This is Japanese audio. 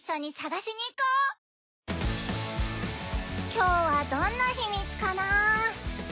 今日はどんなヒ・ミ・ツかな？